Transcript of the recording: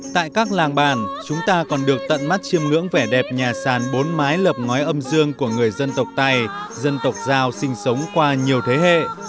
tại các làng bản chúng ta còn được tận mắt chiêm ngưỡng vẻ đẹp nhà sàn bốn mái lập ngói âm dương của người dân tộc tài dân tộc giao sinh sống qua nhiều thế hệ